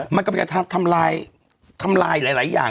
มันก็มีกระทั่งทำลายหลายอย่าง